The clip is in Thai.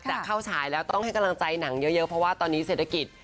จะเข้าฉายแล้วต้องให้กำลังใจหนังเยอะเพราะว่าตอนนี้เศรษฐกิจ